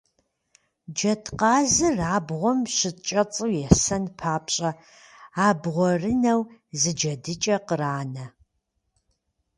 Джэдкъазыр абгъуэм щыкӏэцӏу есэн папщӏэ, абгъуэрынэу зы джэдыкӏэ къранэ.